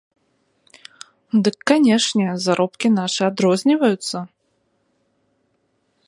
Дык, канешне, заробкі нашы адрозніваюцца!